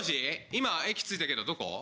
今駅着いたけどどこ？